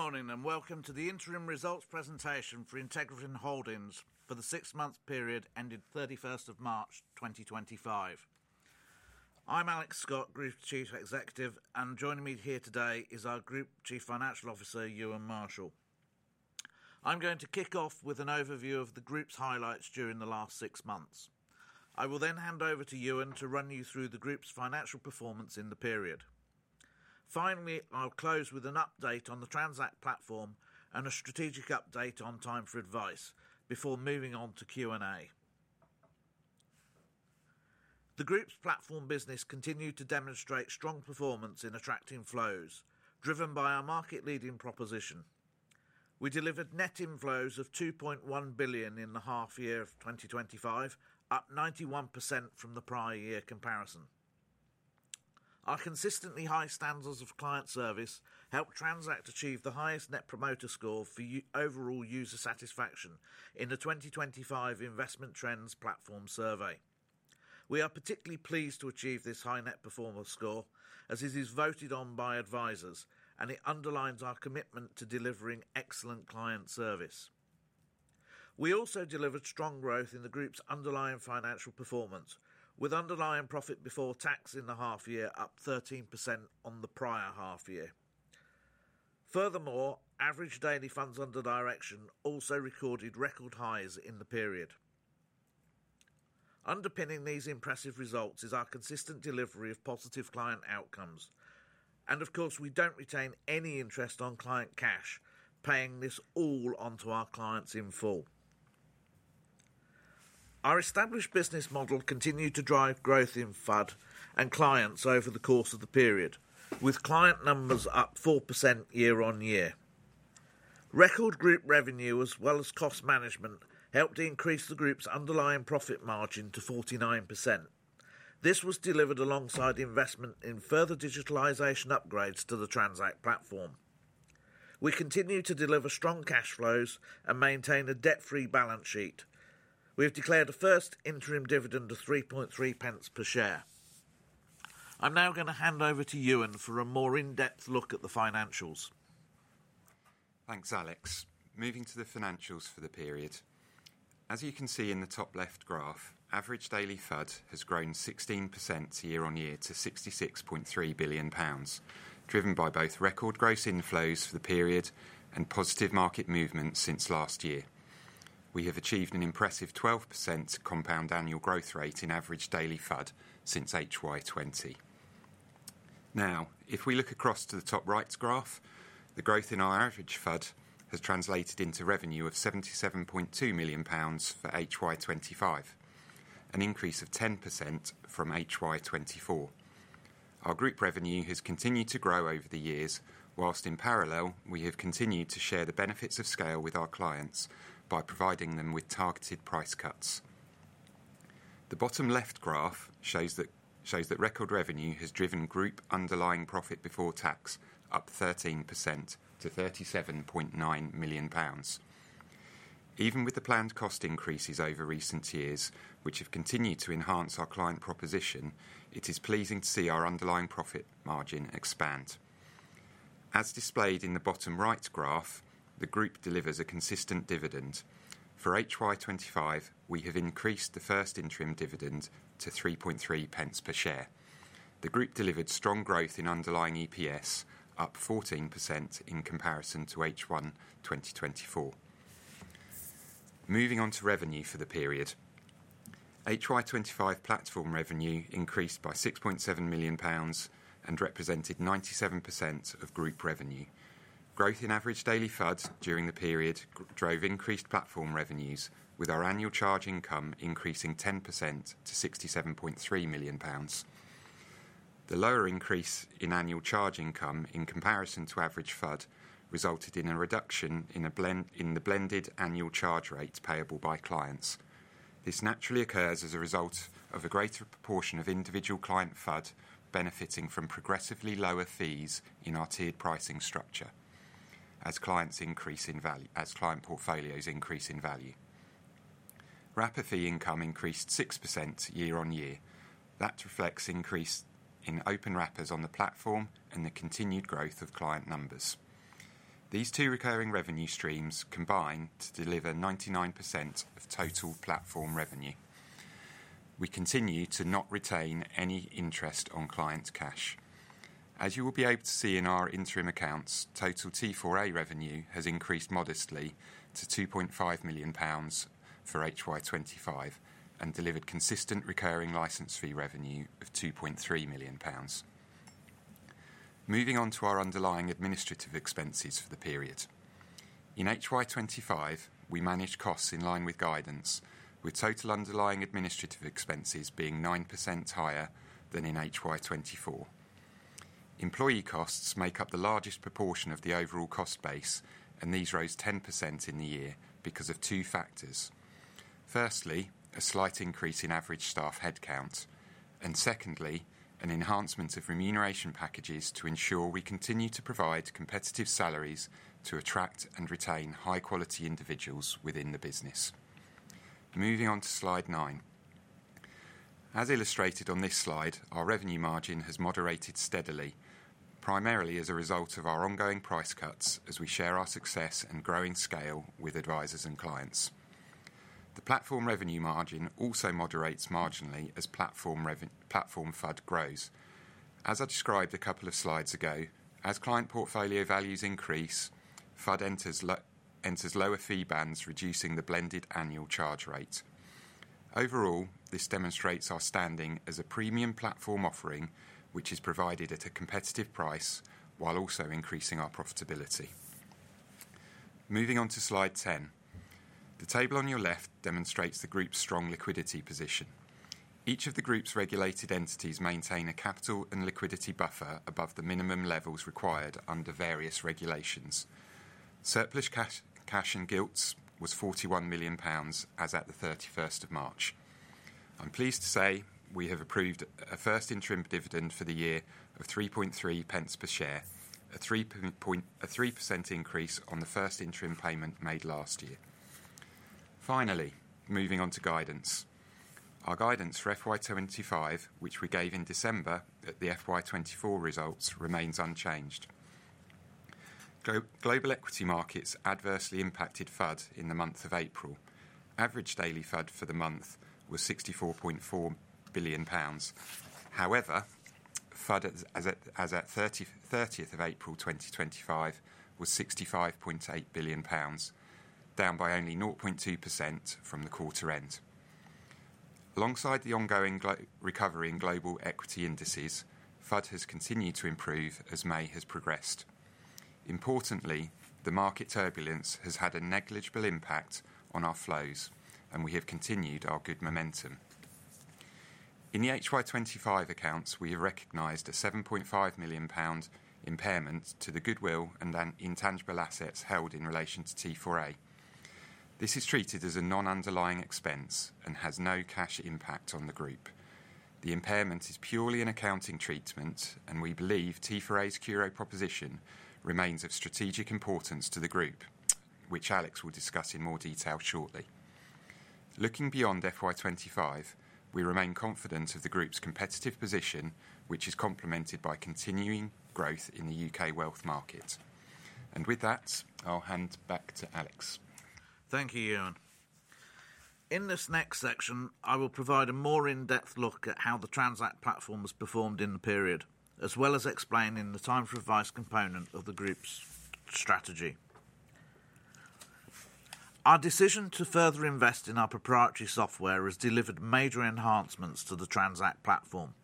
Good morning and welcome to the interim results presentation for IntegraFin Holdings for the six-month period ended 31st of March 2025. I'm Alex Scott, Group Chief Executive, and joining me here today is our Group Chief Financial Officer, Euan Marshall. I'm going to kick off with an overview of the Group's highlights during the last six months. I will then hand over to Euan to run you through the Group's financial performance in the period. Finally, I'll close with an update on the Transact platform and a strategic update on Time for Advice before moving on to Q&A. The Group's platform business continued to demonstrate strong performance in attracting flows, driven by our market-leading proposition. We delivered net inflows of 2.1 billion in the half-year of 2025, up 91% from the prior year comparison. Our consistently high standards of client service helped Transact achieve the highest net promoter score for overall user satisfaction in the 2025 Investment Trends Platform Survey. We are particularly pleased to achieve this high net promoter score as it is voted on by advisors, and it underlines our commitment to delivering excellent client service. We also delivered strong growth in the Group's underlying financial performance, with underlying profit before tax in the half-year up 13% on the prior half-year. Furthermore, average daily funds under direction also recorded record highs in the period. Underpinning these impressive results is our consistent delivery of positive client outcomes. Of course, we do not retain any interest on client cash, paying this all onto our clients in full. Our established business model continued to drive growth in funds under direction and clients over the course of the period, with client numbers up 4% year on year. Record group revenue, as well as cost management, helped increase the Group's underlying profit margin to 49%. This was delivered alongside investment in further digitalization upgrades to the Transact platform. We continue to deliver strong cash flows and maintain a debt-free balance sheet. We have declared a first interim dividend of 0.033 per share. I'm now going to hand over to Euan for a more in-depth look at the financials. Thanks, Alex. Moving to the financials for the period. As you can see in the top-left graph, average daily FUD has grown 16% year on year to GBP 66.3 billion, driven by both record gross inflows for the period and positive market movements since last year. We have achieved an impressive 12% compound annual growth rate in average daily FUD since HY 2020. Now, if we look across to the top-right graph, the growth in our average FUD has translated into revenue of 77.2 million pounds for HY 2025, an increase of 10% from HY 2024. Our group revenue has continued to grow over the years, whilst in parallel, we have continued to share the benefits of scale with our clients by providing them with targeted price cuts. The bottom-left graph shows that record revenue has driven group underlying profit before tax up 13% to 37.9 million pounds. Even with the planned cost increases over recent years, which have continued to enhance our client proposition, it is pleasing to see our underlying profit margin expand. As displayed in the bottom-right graph, the Group delivers a consistent dividend. For HY2025, we have increased the first interim dividend to 0.033 per share. The Group delivered strong growth in underlying EPS, up 14% in comparison to H1 2024. Moving on to revenue for the period, HY2025 platform revenue increased by 6.7 million pounds and represented 97% of Group revenue. Growth in average daily FUD during the period drove increased platform revenues, with our annual charge income increasing 10% to 67.3 million pounds. The lower increase in annual charge income in comparison to average FUD resulted in a reduction in the blended annual charge rate payable by clients. This naturally occurs as a result of a greater proportion of individual client FUD benefiting from progressively lower fees in our tiered pricing structure as client portfolios increase in value. Wrapper fee income increased 6% year on year. That reflects increase in open wrappers on the platform and the continued growth of client numbers. These two recurring revenue streams combine to deliver 99% of total platform revenue. We continue to not retain any interest on client cash. As you will be able to see in our interim accounts, total T4A revenue has increased modestly to 2.5 million pounds for HY25 and delivered consistent recurring license fee revenue of 2.3 million pounds. Moving on to our underlying administrative expenses for the period. In HY25, we managed costs in line with guidance, with total underlying administrative expenses being 9% higher than in HY24. Employee costs make up the largest proportion of the overall cost base, and these rose 10% in the year because of two factors. Firstly, a slight increase in average staff headcount, and secondly, an enhancement of remuneration packages to ensure we continue to provide competitive salaries to attract and retain high-quality individuals within the business. Moving on to slide nine. As illustrated on this slide, our revenue margin has moderated steadily, primarily as a result of our ongoing price cuts as we share our success and growing scale with advisors and clients. The platform revenue margin also moderates marginally as platform FUD grows. As I described a couple of slides ago, as client portfolio values increase, FUD enters lower fee bands, reducing the blended annual charge rate. Overall, this demonstrates our standing as a premium platform offering, which is provided at a competitive price while also increasing our profitability. Moving on to slide ten. The table on your left demonstrates the Group's strong liquidity position. Each of the Group's regulated entities maintain a capital and liquidity buffer above the minimum levels required under various regulations. Surplus cash in gilts was 41 million pounds as at the 31st of March. I'm pleased to say we have approved a first interim dividend for the year of 0.033 per share, a 3% increase on the first interim payment made last year. Finally, moving on to guidance. Our guidance for FY25, which we gave in December at the FY24 results, remains unchanged. Global equity markets adversely impacted FUD in the month of April. Average daily FUD for the month was 64.4 billion pounds. However, FUD as at 30th of April 2025 was 65.8 billion pounds, down by only 0.2% from the quarter end. Alongside the ongoing recovery in global equity indices, FUD has continued to improve as May has progressed. Importantly, the market turbulence has had a negligible impact on our flows, and we have continued our good momentum. In the HY 2025 accounts, we have recognized a 7.5 million pound impairment to the goodwill and intangible assets held in relation to T4A. This is treated as a non-underlying expense and has no cash impact on the Group. The impairment is purely an accounting treatment, and we believe T4A's QO proposition remains of strategic importance to the Group, which Alex will discuss in more detail shortly. Looking beyond FY 2025, we remain confident of the Group's competitive position, which is complemented by continuing growth in the U.K. wealth market. I'll hand back to Alex. Thank you, Euan. In this next section, I will provide a more in-depth look at how the Transact platform has performed in the period, as well as explaining the Time for Advice comp1nt of the Group's strategy. Our decision to further invest in our proprietary software has delivered major enhancements to the Transact platform.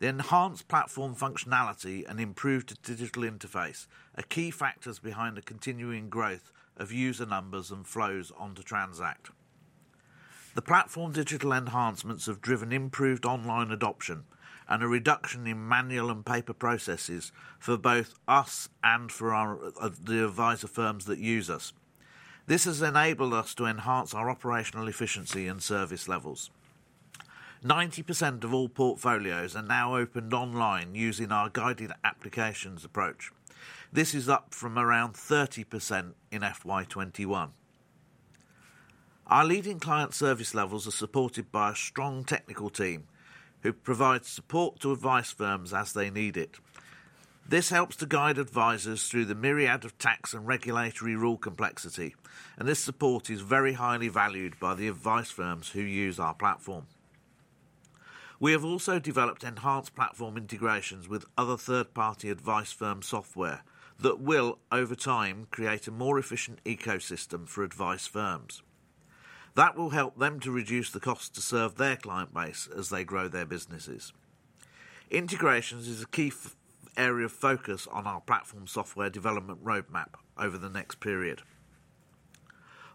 The enhanced platform functionality and improved digital interface are key factors behind the continuing growth of user numbers and flows onto Transact. The platform digital enhancements have driven improved online adoption and a reduction in manual and paper processes for both us and for the advisor firms that use us. This has enabled us to enhance our operational efficiency and service levels. 90% of all portfolios are now opened online using our guided applications approach. This is up from around 30% in 2021. Our leading client service levels are supported by a strong technical team who provide support to advice firms as they need it. This helps to guide advisors through the myriad of tax and regulatory rule complexity, and this support is very highly valued by the advice firms who use our platform. We have also developed enhanced platform integrations with other third-party advice firm software that will, over time, create a more efficient ecosystem for advice firms. That will help them to reduce the cost to serve their client base as they grow their businesses. Integrations is a key area of focus on our platform software development roadmap over the next period.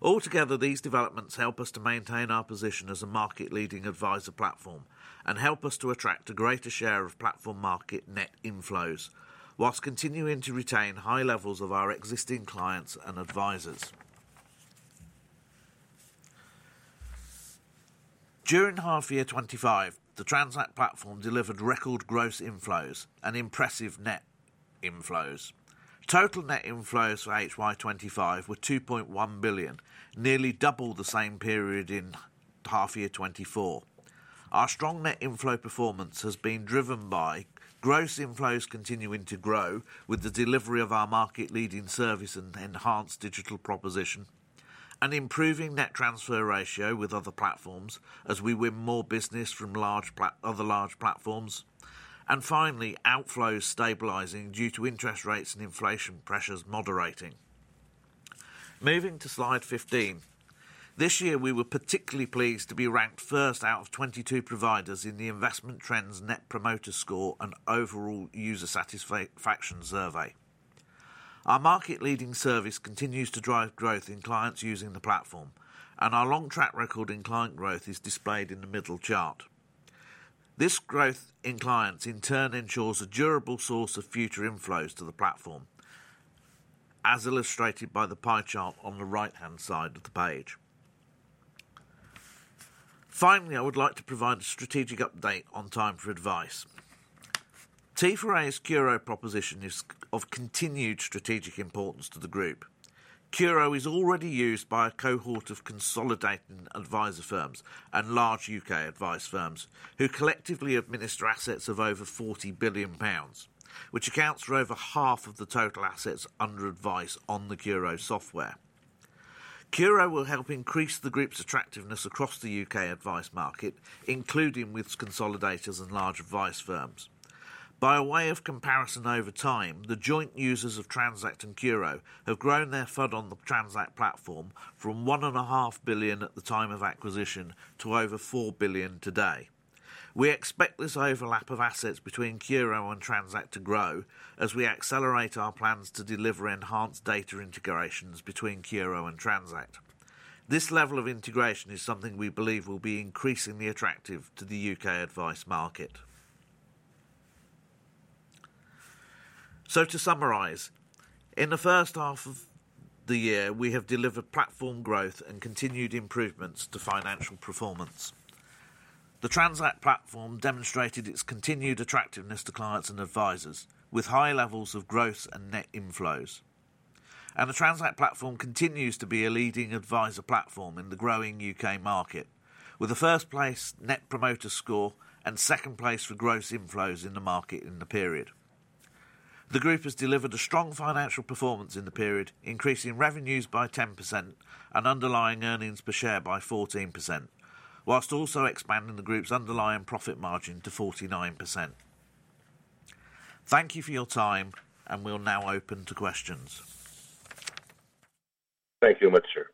Altogether, these developments help us to maintain our position as a market-leading advisor platform and help us to attract a greater share of platform market net inflows, whilst continuing to retain high levels of our existing clients and advisors. During half-year 2025, the Transact platform delivered record gross inflows and impressive net inflows. Total net inflows for HY2025 were 2.1 billion, nearly double the same period in half-year 2024. Our strong net inflow performance has been driven by gross inflows continuing to grow with the delivery of our market-leading service and enhanced digital proposition, an improving net transfer ratio with other platforms as we win more business from other large platforms, and finally, outflows stabilizing due to interest rates and inflation pressures moderating. Moving to slide 15. This year, we were particularly pleased to be ranked first out of 22 providers in the Investment Trends Net Promoter Score and Overall User Satisfaction Survey. Our market-leading service continues to drive growth in clients using the platform, and our long track record in client growth is displayed in the middle chart. This growth in clients, in turn, ensures a durable source of future inflows to the platform, as illustrated by the pie chart on the right-hand side of the page. Finally, I would like to provide a strategic update on Time for Advice. T4A's QO proposition is of continued strategic importance to the Group. QO is already used by a cohort of consolidating advisor firms and large U.K. advice firms who collectively administer assets of over GBP 40 billion, which accounts for over half of the total assets under advice on the QO software. QO will help increase the Group's attractiveness across the U.K. advice market, including with consolidators and large advice firms. By way of comparison over time, the joint users of Transact and QO have grown their FUD on the Transact platform from 1.5 billion at the time of acquisition to over 4 billion today. We expect this overlap of assets between QO and Transact to grow as we accelerate our plans to deliver enhanced data integrations between QO and Transact. This level of integration is something we believe will be increasingly attractive to the U.K. advice market. To summarize, in the first half of the year, we have delivered platform growth and continued improvements to financial performance. The Transact platform demonstrated its continued attractiveness to clients and advisors with high levels of growth and net inflows. The Transact platform continues to be a leading advisor platform in the growing U.K. market, with a first place net promoter score and second place for gross inflows in the market in the period. The Group has delivered a strong financial performance in the period, increasing revenues by 10% and underlying earnings per share by 14%, whilst also expanding the Group's underlying profit margin to 49%. Thank you for your time, and we'll now open to questions. Thank you, Mr.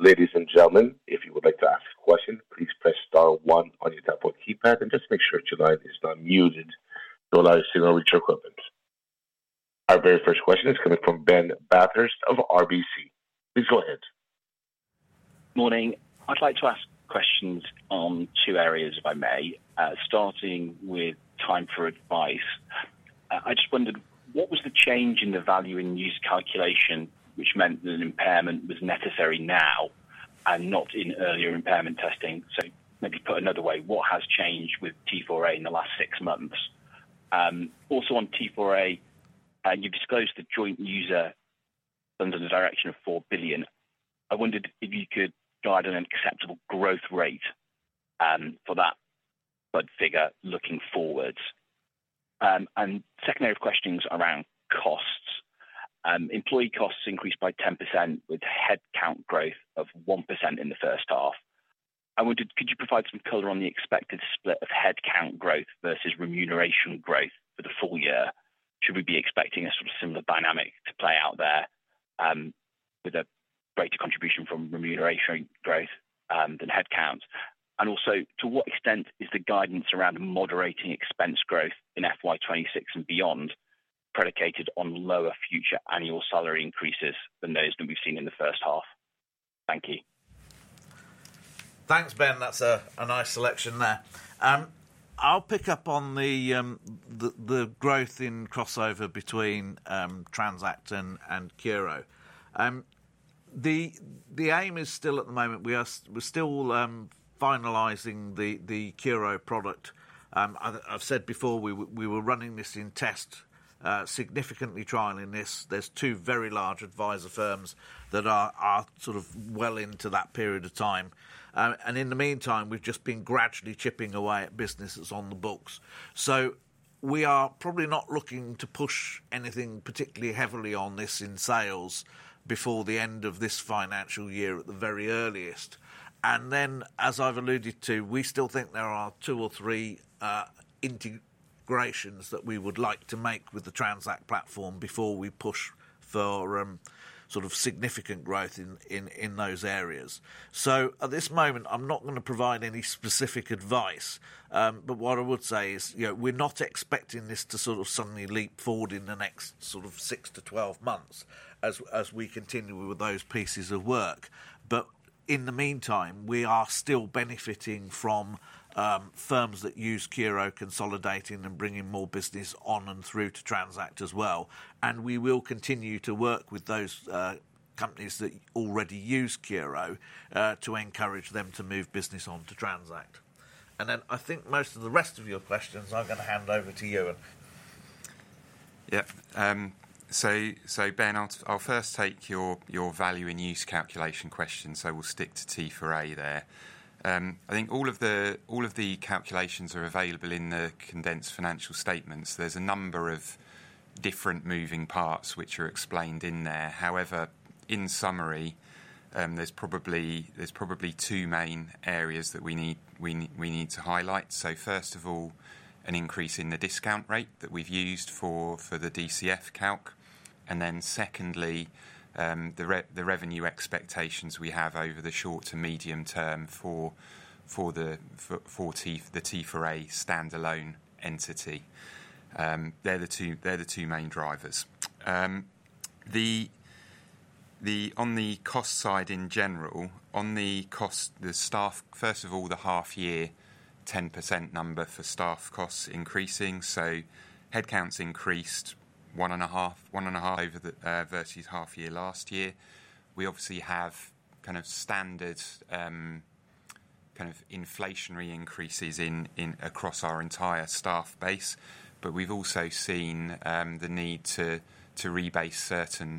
Ladies and gentlemen, if you would like to ask a question, please press * 1 on your teleph1 keypad and just make sure your line is not muted to allow your signal reach your equipment. Our very first question is coming from Ben Bathurst of RBC Capital Markets. Please go ahead. Morning. I'd like to ask questions on two areas, if I may, *ting with Time for Advice. I just wondered, what was the change in the value in use calculation, which meant that an impairment was necessary now and not in earlier impairment testing? Maybe put another way, what has changed with T4A in the last six months? Also, on T4A, you disclosed the joint user under the direction of 4 billion. I wondered if you could guide an acceptable growth rate for that FUD figure looking forwards. Secondary questions around costs. Employee costs increased by 10% with headcount growth of 1% in the first half. I wondered, could you provide some color on the expected split of headcount growth versus remuneration growth for the full year? Should we be expecting a sort of similar dynamic to play out there with a greater contribution from remuneration growth than headcount? Also, to what extent is the guidance around moderating expense growth in fiscal year 2026 and beyond predicated on lower future annual salary increases than those that we've seen in the first half? Thank you. Thanks, Ben. That's a nice selection there. I'll pick up on the growth in crossover between Transact and QO. The aim is still at the moment, we're still finalizing the QO product. I've said before, we were running this in test, significantly trialing this. There's two very large advisor firms that are sort of well into that period of time. In the meantime, we've just been gradually chipping away at businesses on the books. We are probably not looking to push anything particularly heavily on this in sales before the end of this financial year at the very earliest. As I've alluded to, we still think there are two or three integrations that we would like to make with the Transact platform before we push for sort of significant growth in those areas. At this moment, I'm not going to provide any specific advice, but what I would say is we're not expecting this to sort of suddenly leap forward in the next 6-12 months as we continue with those pieces of work. In the meantime, we are still benefiting from firms that use QO consolidating and bringing more business on and through to Transact as well. We will continue to work with those companies that already use QO to encourage them to move business on to Transact. I think most of the rest of your questions, I'm going to hand over to Euan.. Ben, I'll first take your value in use calculation question, so we'll stick to T4A there. I think all of the calculations are available in the condensed financial statements. There's a number of different moving parts which are explained in there. However, in summary, there's probably two main areas that we need to highlight. First of all, an increase in the discount rate that we've used for the DCF calc. Then, the revenue expectations we have over the short to medium term for the T4A standal1 entity. They're the two main drivers. On the cost side in general, on the cost, the staff, first of all, the half-year 10% number for staff costs increasing. Headcount's increased 1 and a half versus half-year last year. We obviously have kind of standard kind of inflationary increases across our entire staff base, but we've also seen the need to rebase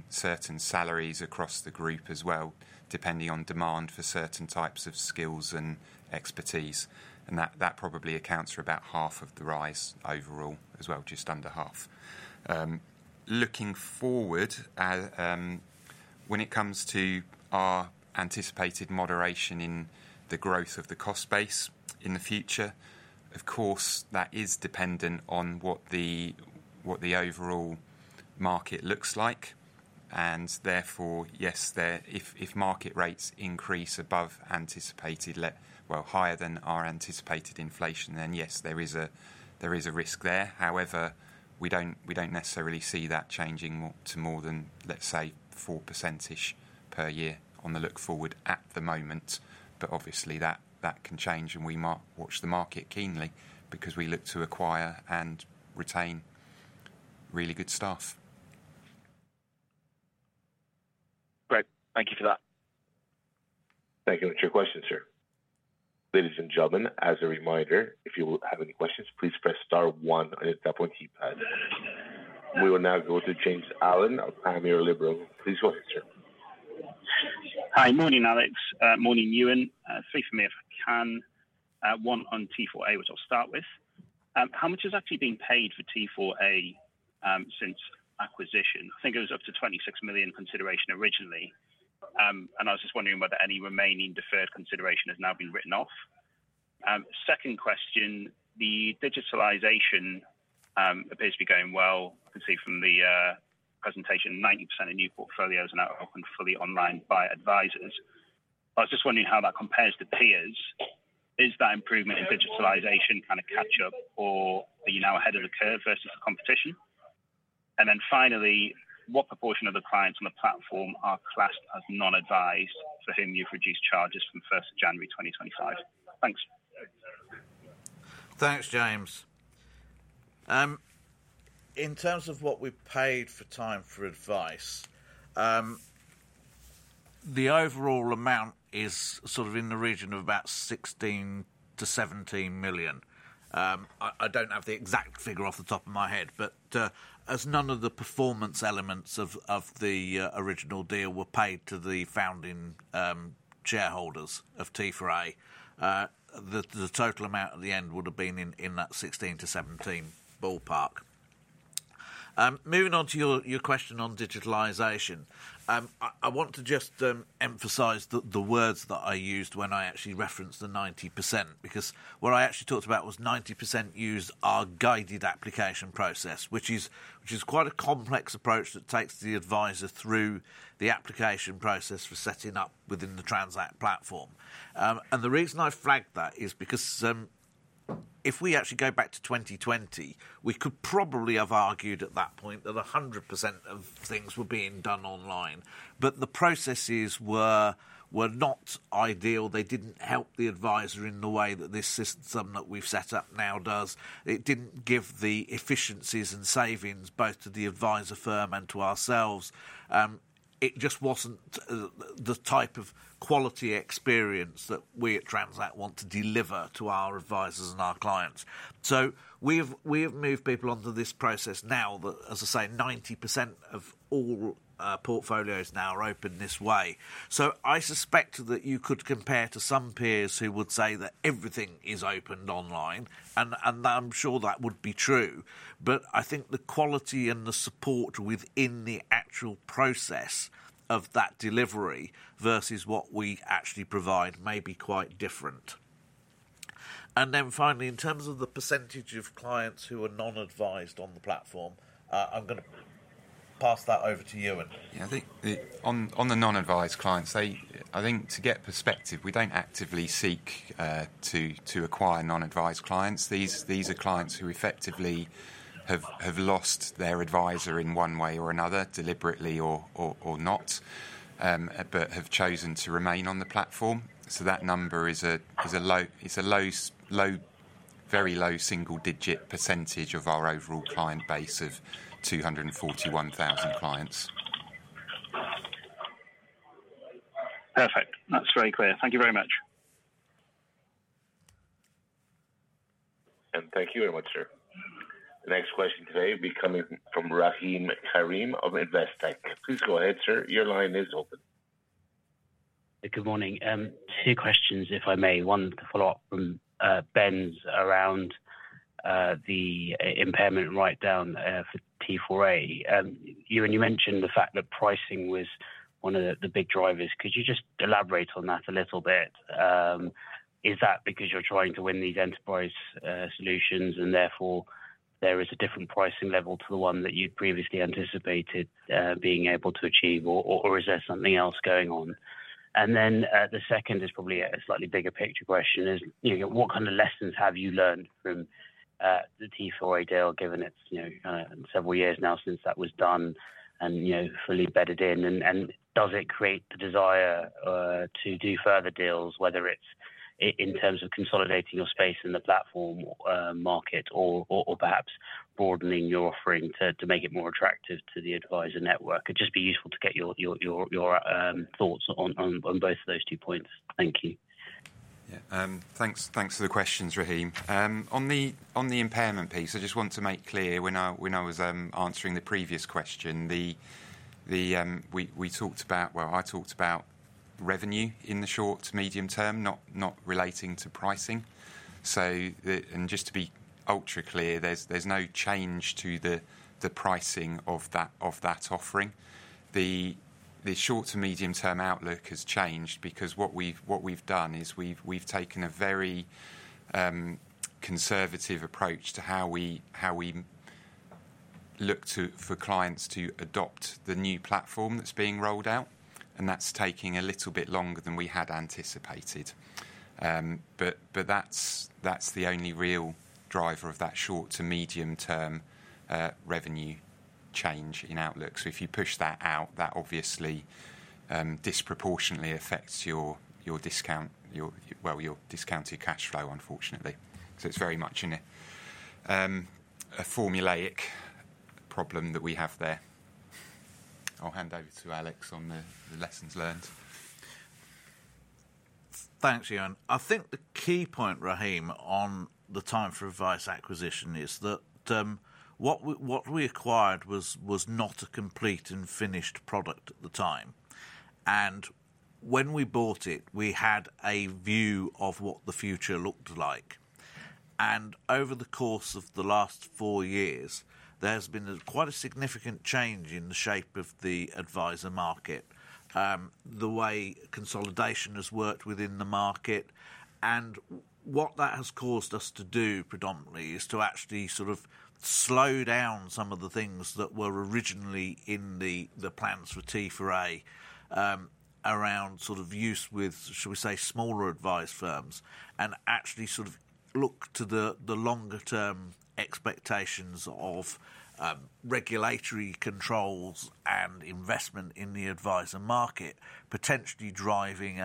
certain salaries across the Group as well, depending on demand for certain types of skills and expertise. That probably accounts for about half of the rise overall as well, just under half. Looking forward, when it comes to our anticipated moderation in the growth of the cost base in the future, of course, that is dependent on what the overall market looks like. Therefore, yes, if market rates increase above anticipated, higher than our anticipated inflation, then yes, there is a risk there. However, we do not necessarily see that changing to more than, let's say, 4%-ish per year on the look forward at the moment. Obviously, that can change, and we might watch the market keenly because we look to acquire and retain really good staff. Great. Thank you for that. Thank you for your questions, sir. Ladies and gentlemen, as a reminder, if you have any questions, please press * 1 on your telephone keypad. We will now go to James Allen, our primary liberal. Please go ahead, sir. Hi, morning, Alex. Morning, Euan. Speak for me if I can. One on T4A, which I'll start with. How much has actually been paid for T4A since acquisition? I think it was up to 26 million consideration originally. I was just wondering whether any remaining deferred consideration has now been written off. Second question, the digitalization appears to be going well. I can see from the presentation, 90% of new portfolios are now open fully online by advisors. I was just wondering how that compares to peers. Is that improvement in digitalization kind of catch-up, or are you now ahead of the curve versus the competition? Finally, what proportion of the clients on the platform are classed as non-advised for whom you've reduced charges from 1st of January 2025? Thanks. Thanks, James. In terms of what we paid for Time for Advice, the overall amount is sort of in the region of about 16 million-17 million. I do not have the exact figure off the top of my head, but as none of the performance elements of the original deal were paid to the founding shareholders of T4A, the total amount at the end would have been in that 16 million-17 million ballpark. Moving on to your question on digitalization, I want to just emphasize the words that I used when I actually referenced the 90% because what I actually talked about was 90% use our guided application process, which is quite a complex approach that takes the advisor through the application process for setting up within the Transact platform. The reason I flagged that is because if we actually go back to 2020, we could probably have argued at that point that 100% of things were being done online. The processes were not ideal. They did not help the advisor in the way that this system that we have set up now does. It did not give the efficiencies and savings both to the advisor firm and to ourselves. It just was not the type of quality experience that we at Transact want to deliver to our advisors and our clients. We have moved people onto this process now that, as I say, 90% of all portfolios now are open this way. I suspect that you could compare to some peers who would say that everything is opened online, and I am sure that would be true. I think the quality and the support within the actual process of that delivery versus what we actually provide may be quite different. Finally, in terms of the percentage of clients who are non-advised on the platform, I'm going to pass that over to Euan., I think on the non-advised clients, I think to get perspective, we do not actively seek to acquire non-advised clients. These are clients who effectively have lost their advisor in one way or another, deliberately or not, but have chosen to remain on the platform. That number is a very low single-digit % of our overall client base of 241,000 clients. Perfect. That is very clear. Thank you very much. Thank you very much, sir. The next question today will be coming from Rahim Karim of Investec. Please go ahead, sir. Your line is open. Good morning. Two questions, if I may. One, to follow up from Ben's around the impairment write-down for T4A. Euan, you mentioned the fact that pricing was one of the big drivers. Could you just elaborate on that a little bit? Is that because you're trying to win these enterprise solutions, and therefore there is a different pricing level to the one that you'd previously anticipated being able to achieve, or is there something else going on? The second is probably a slightly bigger picture question: what kind of lessons have you learned from the T4A deal, given it's several years now since that was done and fully bedded in? Does it create the desire to do further deals, whether it's in terms of consolidating your space in the platform market or perhaps broadening your offering to make it more attractive to the advisor network? It'd just be useful to get your thoughts on both of those two points. Thank you. . Thanks for the questions, Rahim. On the impairment piece, I just want to make clear when I was answering the previous question, we talked about, well, I talked about revenue in the short to medium term, not relating to pricing. Just to be ultra clear, there's no change to the pricing of that offering. The short to medium-term outlook has changed because what we've done is we've taken a very conservative approach to how we look for clients to adopt the new platform that's being rolled out, and that's taking a little bit longer than we had anticipated. That's the only real driver of that short to medium-term revenue change in outlook. If you push that out, that obviously disproportionately affects your discount, well, your discounted cash flow, unfortunately. It's very much a formulaic problem that we have there. I'll hand over to Alex on the lessons learned. Thanks, Euan. I think the key point, Rahim, on the Time for Advice acquisition is that what we acquired was not a complete and finished product at the time. When we bought it, we had a view of what the future looked like. Over the course of the last four years, there has been quite a significant change in the shape of the advisor market, the way consolidation has worked within the market. What that has caused us to do predominantly is to actually sort of slow down some of the things that were originally in the plans for T4A around sort of use with, shall we say, smaller advice firms and actually sort of look to the longer-term expectations of regulatory controls and investment in the advisor market, potentially driving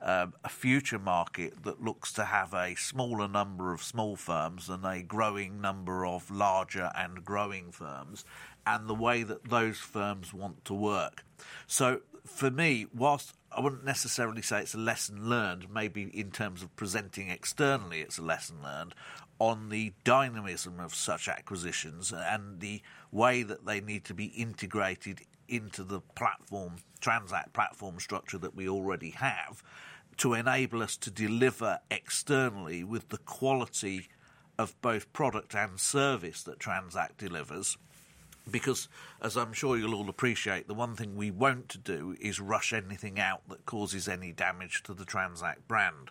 a future market that looks to have a smaller number of small firms and a growing number of larger and growing firms and the way that those firms want to work. For me, whilst I would not necessarily say it is a lesson learned, maybe in terms of presenting externally, it is a lesson learned on the dynamism of such acquisitions and the way that they need to be integrated into the Transact platform structure that we already have to enable us to deliver externally with the quality of both product and service that Transact delivers. As I am sure you will all appreciate, the one thing we will not do is rush anything out that causes any damage to the Transact brand.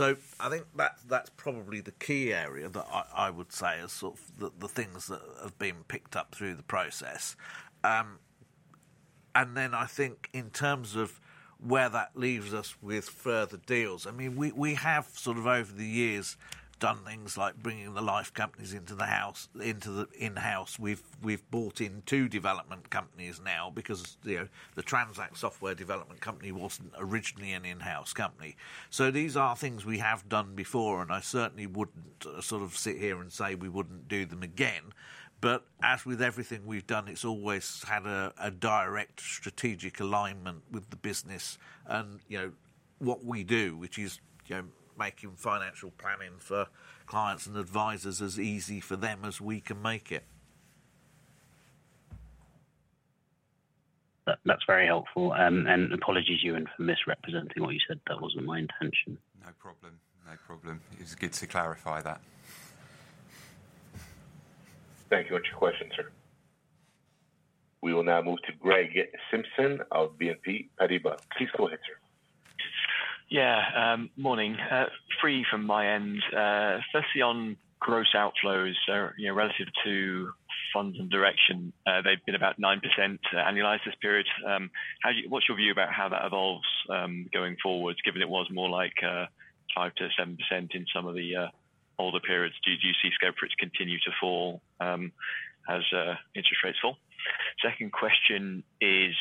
I think that is probably the key area that I would say are sort of the things that have been picked up through the process. I think in terms of where that leaves us with further deals, I mean, we have sort of over the years done things like bringing the life companies into the house. We've bought in two development companies now because the Transact software development company wasn't originally an in-house company. These are things we have done before, and I certainly wouldn't sort of sit here and say we wouldn't do them again. As with everything we've done, it's always had a direct strategic alignment with the business and what we do, which is making financial planning for clients and advisors as easy for them as we can make it. That's very helpful. Apologies, Euan, for misrepresenting what you said. That wasn't my intention. No problem. No problem. It was good to clarify that. Thank you. What's your question, sir? We will now move to Greg Simpson of BNP Paribas. Please go ahead, sir.. Morning. Three from my end. Firstly, on gross outflows relative to funds under direction, they've been about 9% annualized this period. What's your view about how that evolves going forward, given it was more like 5%-7% in some of the older periods? Do you see scale for it to continue to fall as interest rates fall? Second question is,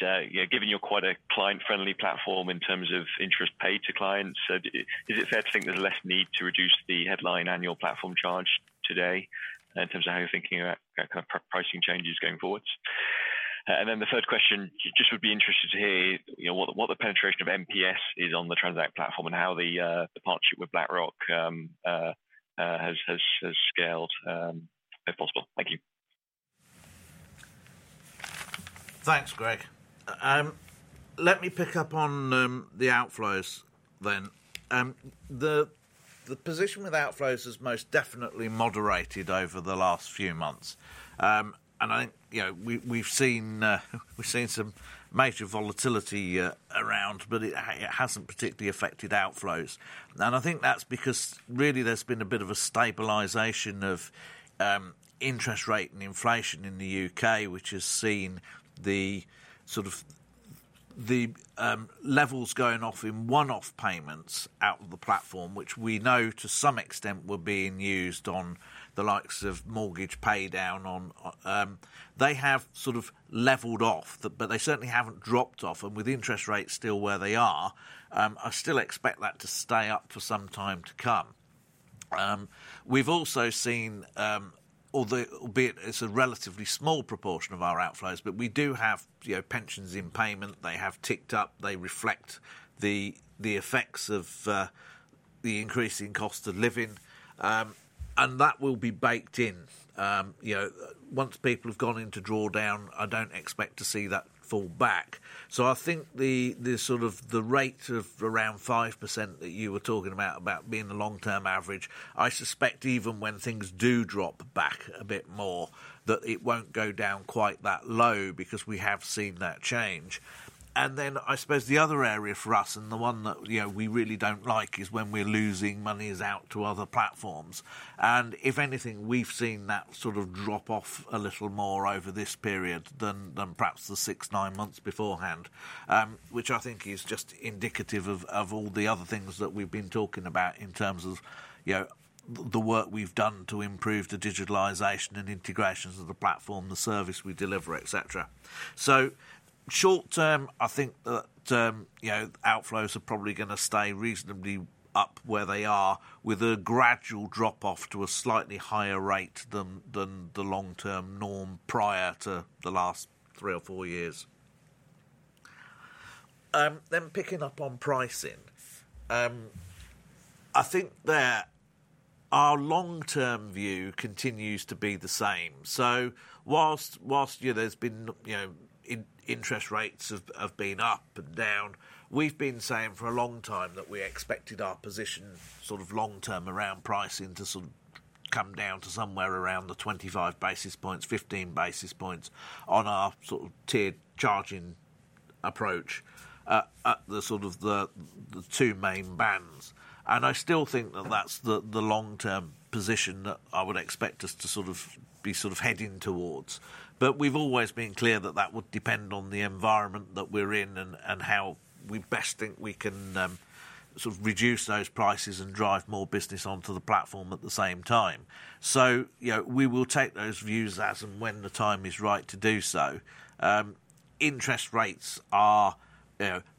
given you're quite a client-friendly platform in terms of interest paid to clients, is it fair to think there's less need to reduce the headline annual platform charge today in terms of how you're thinking about kind of pricing changes going forward? The third question, just would be interested to hear what the penetration of MPS is on the Transact platform and how the partnership with BlackRock has scaled if possible. Thank you. Thanks, Greg. Let me pick up on the outflows then. The position with outflows has most definitely moderated over the last few months. I think we've seen some major volatility around, but it hasn't particularly affected outflows. I think that's because really there's been a bit of a stabilization of interest rate and inflation in the U.K., which has seen the sort of levels going off in one-off payments out of the platform, which we know to some extent were being used on the likes of mortgage paydown. They have sort of leveled off, but they certainly haven't dropped off. With interest rates still where they are, I still expect that to stay up for some time to come. We've also seen, albeit it's a relatively small proportion of our outflows, but we do have pensions in payment. They have ticked up. They reflect the effects of the increasing cost of living. That will be baked in. Once people have gone into drawdown, I do not expect to see that fall back. I think the sort of the rate of around 5% that you were talking about, about being the long-term average, I suspect even when things do drop back a bit more, that it will not go down quite that low because we have seen that change. I suppose the other area for us, and the one that we really do not like, is when we are losing money out to other platforms. If anything, we've seen that sort of drop off a little more over this period than perhaps the six, nine months beforehand, which I think is just indicative of all the other things that we've been talking about in terms of the work we've done to improve the digitalization and integrations of the platform, the service we deliver, etc. Short term, I think that outflows are probably going to stay reasonably up where they are with a gradual drop off to a slightly higher rate than the long-term norm prior to the last three or four years. Picking up on pricing, I think that our long-term view continues to be the same. Whilst interest rates have been up and down, we've been saying for a long time that we expected our position sort of long-term around pricing to come down to somewhere around the 25 basis points, 15 basis points on our tiered charging approach at the two main bands. I still think that that's the long-term position that I would expect us to be heading towards. We've always been clear that that would depend on the environment that we're in and how we best think we can reduce those prices and drive more business onto the platform at the same time. We will take those views as and when the time is right to do so. Interest rates are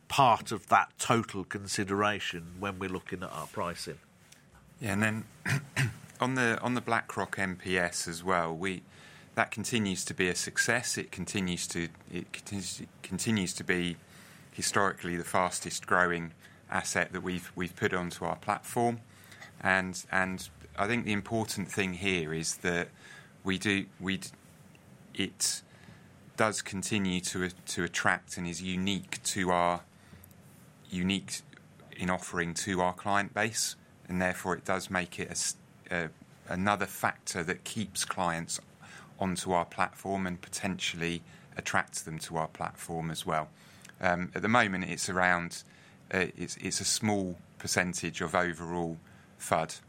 part of that total consideration when we're looking at our pricing.. On the BlackRock MPS as well, that continues to be a success. It continues to be historically the fastest growing asset that we've put onto our platform. I think the important thing here is that it does continue to attract and is unique in offering to our client base. Therefore, it does make it another factor that keeps clients onto our platform and potentially attracts them to our platform as well. At the moment, it's a small percentage of overall FUD.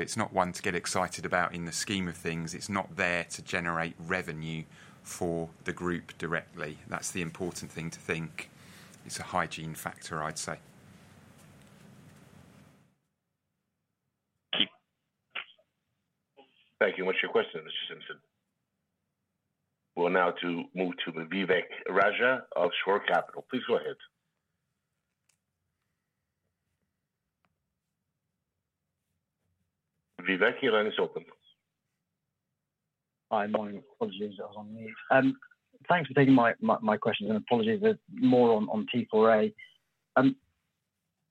It's not one to get excited about in the scheme of things. It's not there to generate revenue for the group directly. That's the important thing to think. It's a hygiene factor, I'd say. Thank you. What's your question, Mr. Simpson? We'll now move to Vivek Rajah of Shore Capital. Please go ahead. Vivek, your line is open. Hi, morning. Apologies I was on mute. Thanks for taking my questions and apologies more on T4A.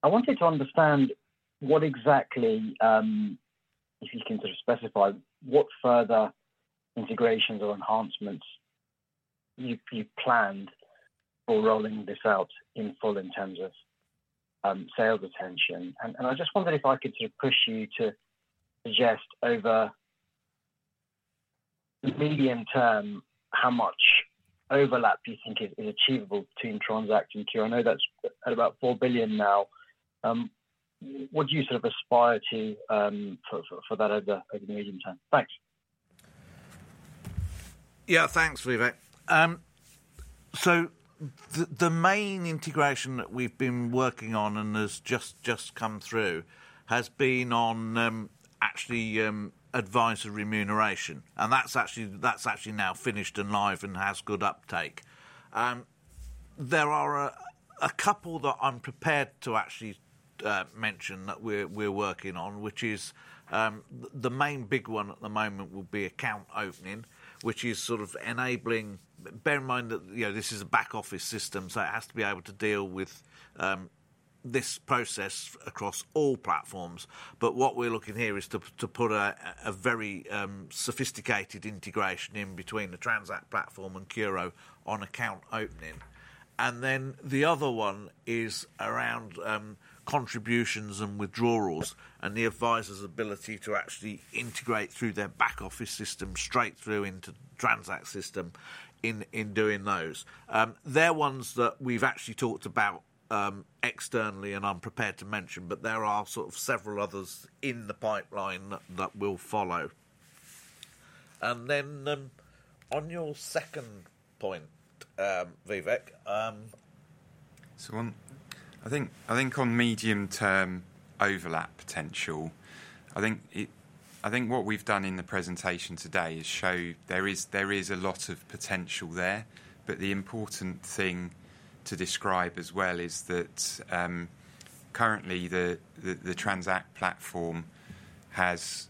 I wanted to understand what exactly, if you can sort of specify, what further integrations or enhancements you planned for rolling this out in full in terms of sales attention. I just wondered if I could sort of push you to suggest over the medium term how much overlap you think is achievable between Transact and Q. I know that's at about 4 billion now. What do you sort of aspire to for that over the medium term? Thanks. , thanks, Vivek. The main integration that we've been working on and has just come through has been on actually advisor remuneration. That's actually now finished and live and has good uptake. There are a couple that I'm prepared to actually mention that we're working on, which is the main big one at the moment will be account opening, which is sort of enabling. Bear in mind that this is a back-office system, so it has to be able to deal with this process across all platforms. What we're looking at here is to put a very sophisticated integration in between the Transact platform and CURO on account opening. The other one is around contributions and withdrawals and the advisor's ability to actually integrate through their back-office system straight through into Transact system in doing those. They're ones that we've actually talked about externally and I'm prepared to mention, but there are sort of several others in the pipeline that will follow. On your second point, Vivek. I think on medium-term overlap potential, I think what we've done in the presentation today is show there is a lot of potential there. The important thing to describe as well is that currently the Transact platform has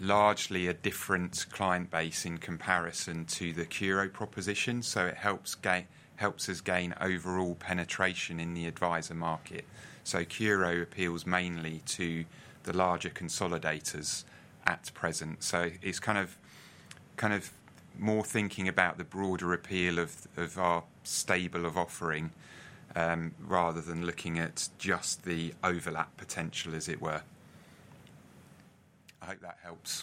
largely a different client base in comparison to the CURO proposition. It helps us gain overall penetration in the advisor market. CURO appeals mainly to the larger consolidators at present. It is kind of more thinking about the broader appeal of our stable of offering rather than looking at just the overlap potential, as it were. I hope that helps.